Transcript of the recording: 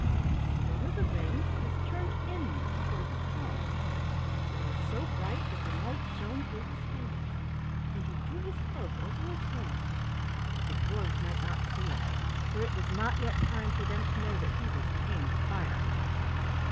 The stone of the ring was turned inward toward the palm, but it was so bright that the light shone through his fingers, and he drew his cloak over his hand that the dwarfs might not see it, for it was not yet time for them to know that he was King Fireheart.